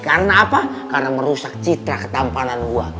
karena apa karena merusak citra ketampanan gua